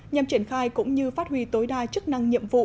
nhằm triển khai cũng như phát huy tối đa chức năng nhiệm vụ